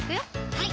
はい